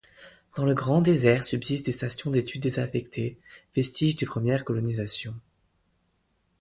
Dans le grand désert subsistent des stations d'étude désaffectées, vestiges des premières colonisations.